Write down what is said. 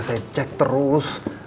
saya cek terus